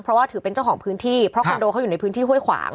เพราะว่าถือเป็นเจ้าของพื้นที่เพราะคอนโดเขาอยู่ในพื้นที่ห้วยขวาง